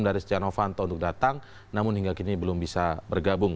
dari setia novanto untuk datang namun hingga kini belum bisa bergabung